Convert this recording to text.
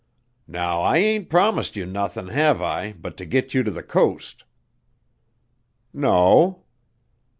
"Now I ain't promised you nothin', have I, but to git you to the coast?" "No."